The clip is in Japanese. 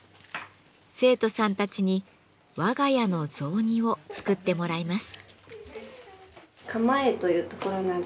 生徒さんたちに「我が家の雑煮」を作ってもらいます。